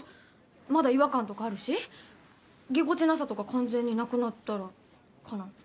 まだ違和感とかあるしぎこちなさとか完全になくなったらかな。